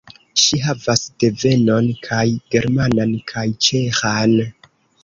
Ŝi havas devenon kaj germanan kaj ĉeĥan.